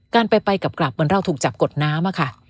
การไปกลับเหมือนเราถูกจับกดน้ำอะค่ะ